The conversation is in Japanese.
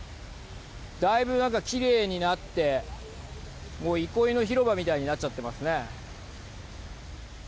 だいぶ、何かきれいになってもう憩いの広場みたいになっちゃってますね。